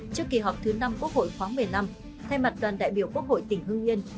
trước kỳ họp thứ năm quốc hội khoáng một mươi năm thay mặt đoàn đại biểu quốc hội tỉnh hương yên